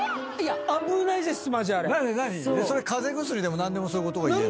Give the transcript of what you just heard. それ風邪薬でも何でもそういうことがいえるの？